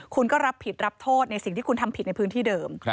คุณก็รับผิดรับโทษในสิ่งที่คุณทำผิดในพื้นที่เดิม